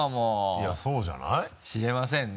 いやそうじゃない？